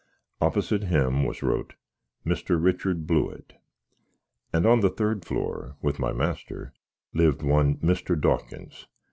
Opsite him was wrote MR. RICHARD BLEWITT; and on the thud floar, with my master, lived one Mr. Dawkins.